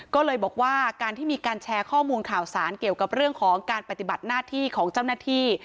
ก็เลยบอกว่าการที่มีการแชร์ข้อมูลข่าวสารเกี่ยวกับเรื่องของการปฏิบัติหน้าที่ของเจ้าหน้าที่